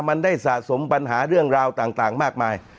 มันได้สะสมปัญหาเรื่องราวต่างมากมาย